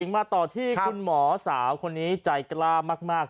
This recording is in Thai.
มาต่อที่คุณหมอสาวคนนี้ใจกล้ามาก